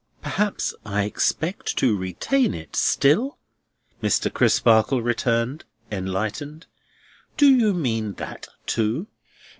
"Perhaps I expect to retain it still?" Mr. Crisparkle returned, enlightened; "do you mean that too?"